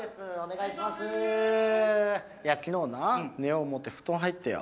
いや昨日な寝よ思て布団入ってよ